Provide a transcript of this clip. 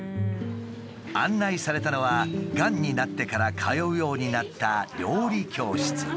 案内されたのはがんになってから通うようになった料理教室。